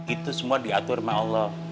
itu semua diatur sama allah